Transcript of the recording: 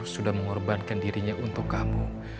sudah mengorbankan dirinya untuk kamu